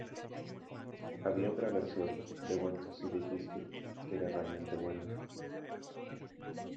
Había otra versión de "Went to See the Gypsy" que era realmente buena...